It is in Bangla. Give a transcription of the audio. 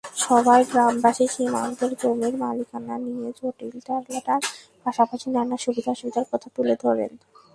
সভায় গ্রামবাসী সীমান্তের জমির মালিকানা নিয়ে জটিলতার পাশাপাশি নানা সুবিধা-অসুবিধার কথা তুলে ধরেন।